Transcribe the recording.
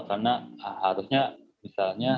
karena harusnya misalnya